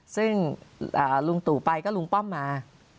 ซึ่งลุงตู่ไปก็ลุงป้อมมา